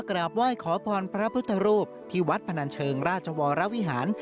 กราบไหว้ขอพรพระพุทธรูปที่วัดพนันเชิงราชวรวิหาร